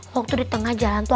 waktu di tengah jalan tuh